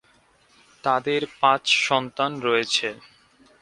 তাদের পাঁচ সন্তান রয়েছে।